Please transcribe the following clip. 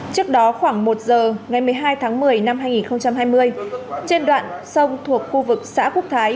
trước đó khoảng một giờ ngày một mươi hai tháng một mươi năm hai nghìn hai mươi trên đoạn sông thuộc khu vực xã quốc thái